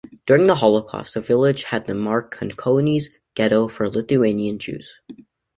During the Holocaust, the village had the Marcinkonys Ghetto for the Lithuanian Jews.